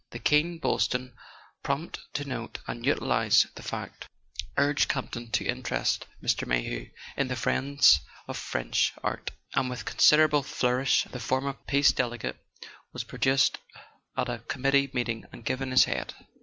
The keen Boylston, prompt to note and utilize the fact, urged Campton to interest Mr. Mayhew in "The Friends of French Art," and with considerable flour¬ ish the former Peace Delegate was produced at a com¬ mittee meeting and given his head.